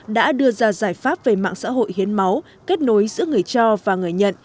đã đưa ra giải pháp về mạng xã hội hiến máu kết nối giữa người cho và người nhận